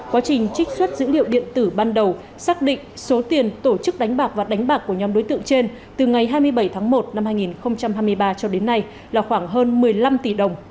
quá trình trích xuất dữ liệu điện tử ban đầu xác định số tiền tổ chức đánh bạc và đánh bạc của nhóm đối tượng trên từ ngày hai mươi bảy tháng một năm hai nghìn hai mươi ba cho đến nay là khoảng hơn một mươi năm tỷ đồng